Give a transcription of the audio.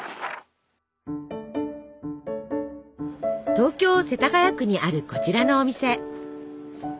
東京世田谷区にあるこちらのお店。